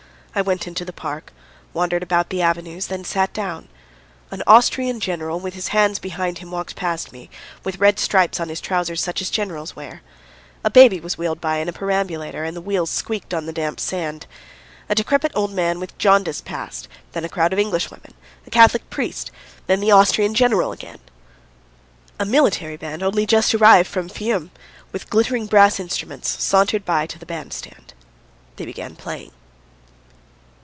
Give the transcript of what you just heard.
I went into the park; wandered about the avenues, then sat down. An Austrian General, with his hands behind him, walked past me, with red stripes on his trousers such as our generals wear. A baby was wheeled by in a perambulator and the wheels squeaked on the damp sand. A decrepit old man with jaundice passed, then a crowd of Englishwomen, a Catholic priest, then the Austrian General again. A military band, only just arrived from Fiume, with glittering brass instruments, sauntered by to the bandstand they began playing.